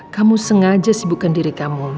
kamu sengaja sibukkan diri kamu